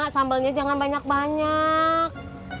sambalnya jangan banyak banyak